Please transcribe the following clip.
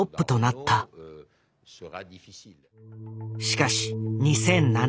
しかし２００７年。